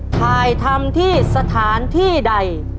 ถ่ายทำที่สถานที่ใด